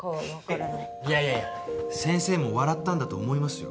いやいやいや先生も笑ったんだと思いますよ。